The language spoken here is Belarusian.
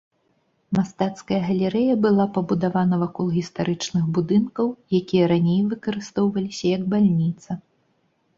Мастацкая галерэя была пабудавана вакол гістарычных будынкаў, якія раней выкарыстоўваліся як бальніца.